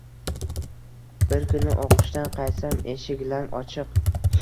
Bir kuni o’qishdan qaytsam, eshik lang ochiq